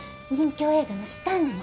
きょう映画のスターなの。